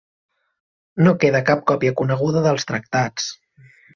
No queda cap còpia coneguda dels tractats.